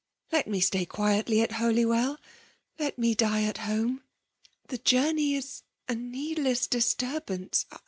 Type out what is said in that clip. Let me stay quietly at Holy well— let me die at home. The journey is a needless disturbance.